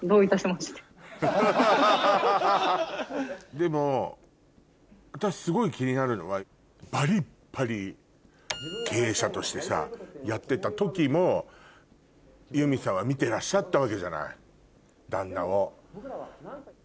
でも私すごい気になるのはバリバリ経営者としてさやってた時も祐美さんは見てらっしゃったわけじゃない旦那を。